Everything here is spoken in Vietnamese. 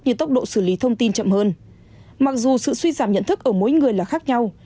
như tốc độ xử lý thông tin chậm hơn mặc dù sự suy giảm nhận thức ở mỗi người là khác nhau